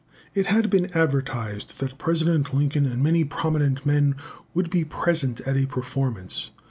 It had been advertised that President Lincoln and many prominent men would be present at a performance.